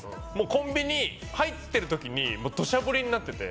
コンビニ入ってる時にどしゃ降りになってて。